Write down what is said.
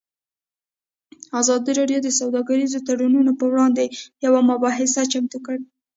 ازادي راډیو د سوداګریز تړونونه پر وړاندې یوه مباحثه چمتو کړې.